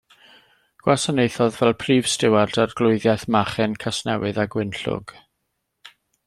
Gwasanaethodd fel Prif Stiward Arglwyddiaeth Machen, Casnewydd a Gwynllŵg.